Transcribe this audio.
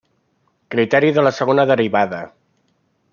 Criteri de la Segona Derivada.